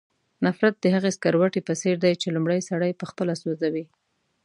نفرت د هغې سکروټې په څېر دی چې لومړی سړی پخپله سوځوي.